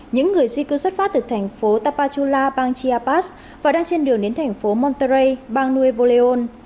những người di cư xuất phát từ thành phố tapachula bang tiapas và đang trên đường đến thành phố montrey bang nuevo leon